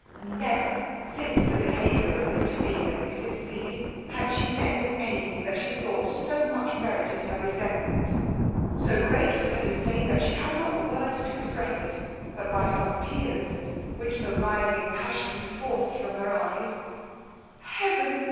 Never, since the behaviour of mr. B n at mrs. C g 's, had she met with any thing that she thought so much merited her resentment: so great was her disdain she had not words to express it, but by some tears, which the rising passion forced from her eyes: Heaven!